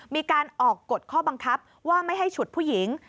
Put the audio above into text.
มีการออกกฎข้อบังคับว่าไม่ให้ฉุดผู้หญิง